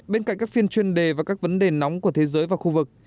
bên cạnh các phiên chuyên đề và các vấn đề nóng của thế giới và khu vực